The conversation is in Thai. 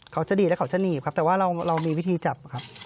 เขาจะดีดแล้วเขาจะหนีบครับแต่ว่าเรามีวิธีจับครับ